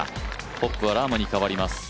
トップはラームにかわります。